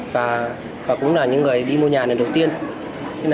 và cũng là những người đi mua nhà lần đầu tiên